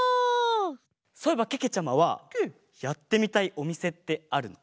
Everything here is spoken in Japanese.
そういえばけけちゃまはやってみたいおみせってあるの？